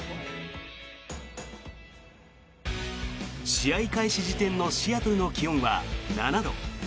試合開始時点のシアトルの気温は７度。